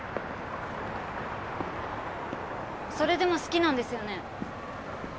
それでも好きなんですよね？